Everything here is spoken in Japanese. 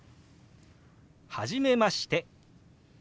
「初めまして。